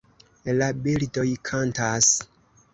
La birdoj kantas